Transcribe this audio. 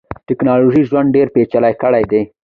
ټکنالوژۍ ژوند ډیر پېچلی کړیدی.